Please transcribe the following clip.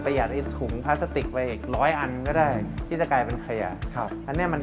อยากได้ถุงพลาสติกไปอีกร้อยอันก็ได้ที่จะกลายเป็นขยะครับอันนี้มัน